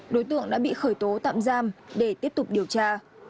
đối tượng đã bị khởi tố tạm giam để tiếp tục điều tra